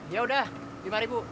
ya udah lima ribu